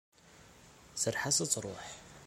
Serreḥ-as ad truḥ!